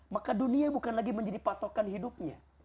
maka dunia bukan lagi menjadi patokan hidupnya